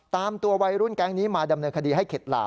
ตามตัววัยรุ่นแก๊งนี้มาดำเนินคดีให้เข็ดหลาบ